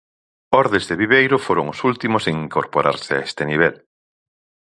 Ordes e Viveiro foron os últimos en incorporarse a este nivel.